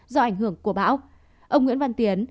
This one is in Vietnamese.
do ảnh hưởng của bão ông nguyễn văn tiến